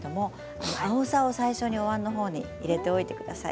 あおさを最初におわんに入れておいてください。